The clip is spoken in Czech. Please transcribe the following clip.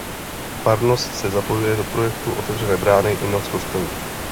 Farnost se zapojuje do projektů Otevřené brány i Noc kostelů.